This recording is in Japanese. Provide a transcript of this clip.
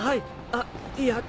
あっいや。